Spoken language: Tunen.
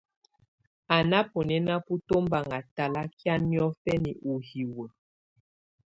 Á ná bunɛ́na bú tɔbaŋá talakɛ̀á niɔ̀fǝna ù hiwǝ́.